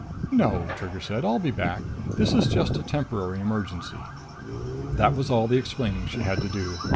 "No," Trigger said. "I'll be back. This is just a temporary emergency." That was all the explaining she had to do.